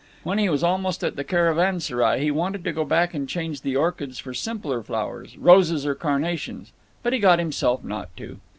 When he was almost at the Caravanserai he wanted to go back and change the orchids for simpler flowers, roses or carnations, but he got himself not to.